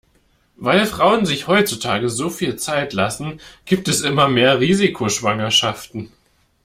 Weil Frauen sich heutzutage so viel Zeit lassen, gibt es immer mehr Risikoschwangerschaften.